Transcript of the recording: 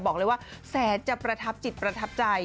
บอกเลยว่าแสนจะประทับจิตประทับใจ